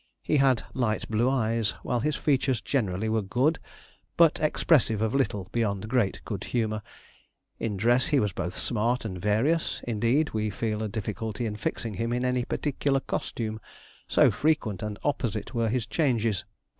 He had light blue eyes; while his features generally were good, but expressive of little beyond great good humour. In dress, he was both smart and various; indeed, we feel a difficulty in fixing him in any particular costume, so frequent and opposite were his changes.